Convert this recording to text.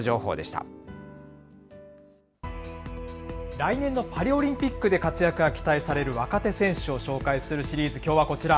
来年のパリオリンピックで活躍が期待される若手選手を紹介するシリーズ、きょうはこちら。